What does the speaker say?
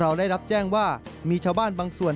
ได้รับแจ้งว่ามีชาวบ้านบางส่วน